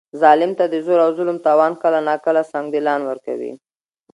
ظالم ته د زور او ظلم توان کله ناکله سنګدلان ورکوي.